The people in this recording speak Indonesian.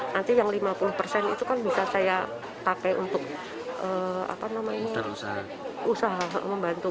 nanti yang lima puluh persen itu kan bisa saya pakai untuk usaha membantu